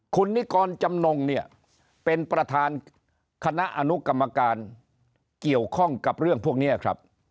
คุณนิกรจำนงเนี่ยเป็นประธานคณะอนุกรรมการเกี่ยวข้องกับเรื่องพวกนี้ครับ